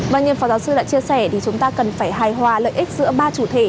vâng như phó giáo sư đã chia sẻ thì chúng ta cần phải hài hòa lợi ích giữa ba chủ thể